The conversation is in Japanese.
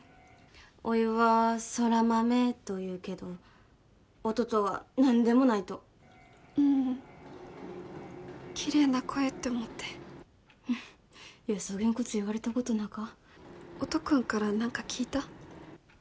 おいは空豆というけど音とは何でもないとううんきれいな声って思ってそげんこつ言われたことなか音くんから何か聞いた？